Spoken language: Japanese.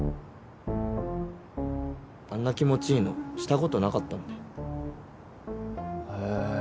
あんな気持ちいいのシたことなかったんだよへえ